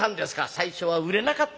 「最初は売れなかった。